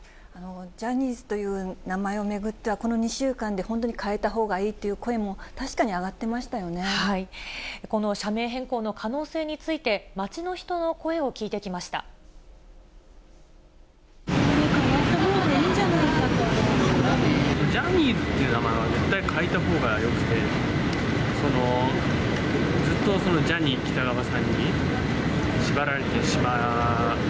ジャニーズという名前を巡っては、この２週間で本当に変えたほうがいいという声も確かに上がってまこの社名変更の可能性につい社名変わったほうがいいんじジャニーズって名前は絶対変えたほうがよくて、その、ずっとジャニー喜多川さんに、縛られてしまう。